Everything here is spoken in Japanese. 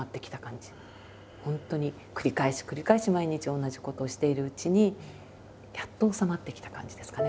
本当に繰り返し繰り返し毎日同じことをしているうちにやっと収まってきた感じですかね。